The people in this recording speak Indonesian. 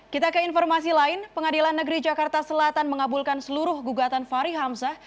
kita ke informasi lain pengadilan negeri jakarta selatan mengabulkan seluruh gugatan fahri hamzah